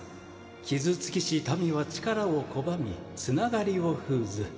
「傷つきし民は力を拒みつながりを封ず。